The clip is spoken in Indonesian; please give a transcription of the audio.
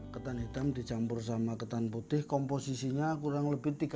ketan hitam dicampur sama ketan putih komposisinya kurang lebih tiga banding satu ya